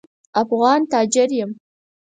افغان تاجر یم.